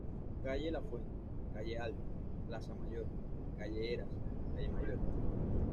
Calle la fuente, calle alta, plaza mayor, calle eras, calle mayor.